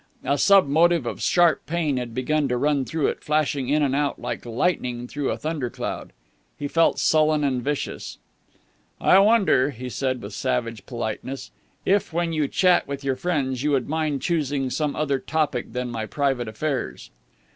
A sub motive of sharp pain had begun to run through it, flashing in and out like lightning through a thunder cloud. He felt sullen and vicious. "I wonder," he said with savage politeness, "if, when you chat with your friends, you would mind choosing some other topic than my private affairs."